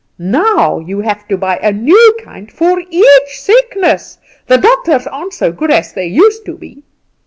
Now you have to buy a new kind for each sickness. The doctors aren't so good as they used to be."